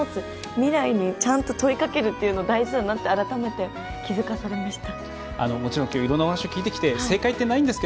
未来にちゃんと問いかけるのが大事だなと改めて気付かされました。